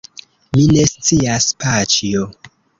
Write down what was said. Mi ne scias, paĉjo.